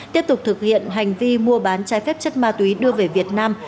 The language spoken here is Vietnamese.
tiếp tục thực hiện hành vi mua bán trái phép chất ma túy đưa về việt nam